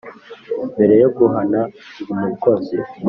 mbere yo guhana umukozi.